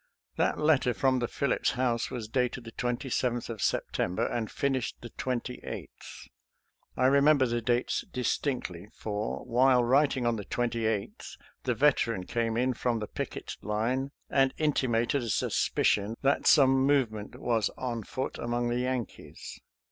That letter from the Phillips House was dated the 27th of September and finished the 28th. I remember the dates distinctly, for, while writ ing on the 28th, the Veteran came in from the picket line and intimated a suspicion that some movement was on foot among the Yankees.